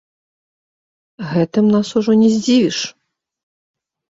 Гэтым нас ужо не здзівіш.